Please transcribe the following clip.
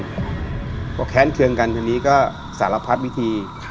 เพราะแค้นเครื่องกันทีนี้ก็สารพัดวิธี